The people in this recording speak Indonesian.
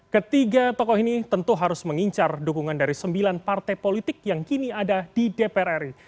ketiga tokoh ini tentu harus mengincar dukungan dari sembilan partai politik yang kini ada di dpr ri